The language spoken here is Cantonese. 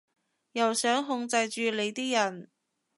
又想控制住你啲人